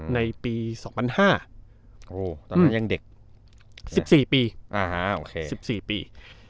ในปี๒๐๐๕ตอนนั้นยังเด็ก๑๔ปี๑๔ปี